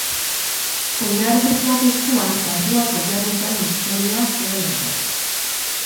Oilar beltz bat eskuan, kantuak oilar beltzaren historia zuen ardatz.